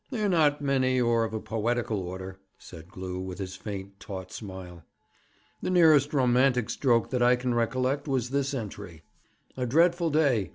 'They are not many, or of a poetical order,' said Glew, with his faint taut smile. 'The nearest romantic stroke that I can recollect was this entry: "A dreadful day.